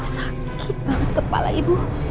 sakit banget kepala ibu